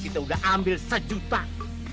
kenapa bukan kamu si presiden